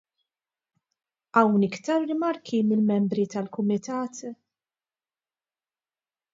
Hawn iktar rimarki mill-membri tal-Kumitat?